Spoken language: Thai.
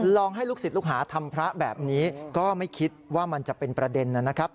ลองให้ลูกศิษย์ลูกหาทำพระแบบนี้ก็ไม่คิดว่ามันจะเป็นประเด็นนะครับ